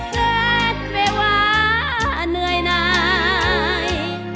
เสร็จไปว่าเหนื่อยนาย